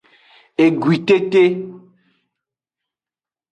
Egwitete.